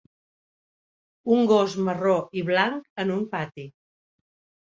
Un gos marró i blanc en un pati.